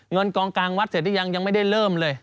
เงินกองกลางวัดเสร็จหรือยังยังไม่ได้เริ่มเลย